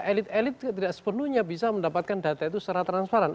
elit elit tidak sepenuhnya bisa mendapatkan data itu secara transparan